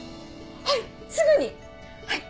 はいすぐにはい。